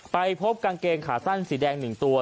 ไปพบกางเกงขาสั้นสีแดง๑ตัว